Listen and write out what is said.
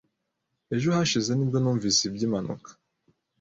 Ejo hashize nibwo numvise iby'impanuka.